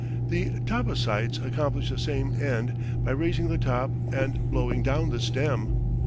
The Tabbasites accomplish the same end by raising the top and blowing down the stem.